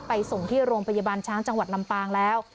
ส่งที่โรงพยาบาลช้างจังหวัดลำปางแล้ว